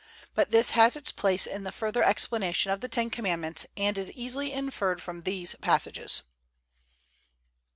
But this has its place in the further explanation of the Ten Commandments, and is easily inferred from these passages.